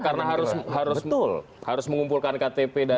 karena harus mengumpulkan ktp dan